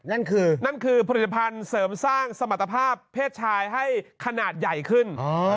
นั่นคือนั่นคือผลิตภัณฑ์เสริมสร้างสมรรถภาพเพศชายให้ขนาดใหญ่ขึ้น